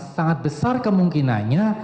sangat besar kemungkinannya